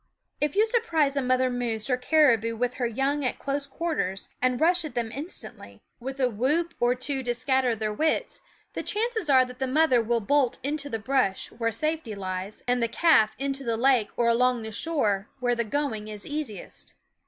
If you surprise a mother moose or caribou with her young at close quarters, and rush at them instantly, with a whoop or. two to scatter their wits, the chances are that the mother will bolt into the brush, where safety lies, and the calf into the lake or along the shore, where the going is easiest.